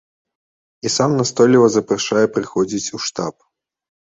І сам настойліва запрашае прыходзіць у штаб.